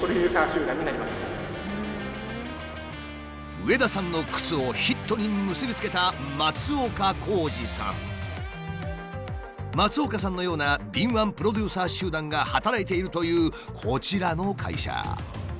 上田さんの靴をヒットに結び付けた松岡さんのような敏腕プロデューサー集団が働いているというこちらの会社。